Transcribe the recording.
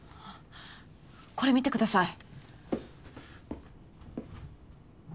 これ見てください。